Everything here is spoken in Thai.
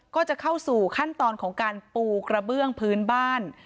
ก็จะเข้าสู่ขั้นตอนของการปูกระเบื้องพื้นบ้าน